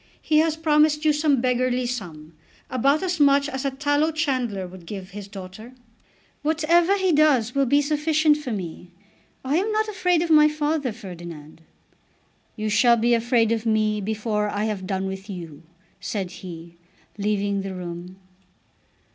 He has promised you some beggarly sum, about as much as a tallow chandler would give his daughter." "Whatever he does for me will be sufficient for me. I am not afraid of my father, Ferdinand." "You shall be afraid of me before I have done with you," said he, leaving the room.